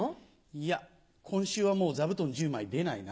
いや今週はもう座布団１０枚出ないな。